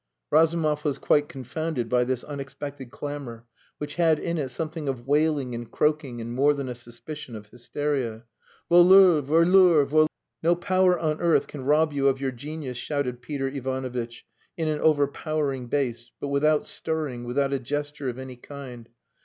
_" Razumov was quite confounded by this unexpected clamour, which had in it something of wailing and croaking, and more than a suspicion of hysteria. "Voleurs! Voleurs! Vol...." "No power on earth can rob you of your genius," shouted Peter Ivanovitch in an overpowering bass, but without stirring, without a gesture of any kind.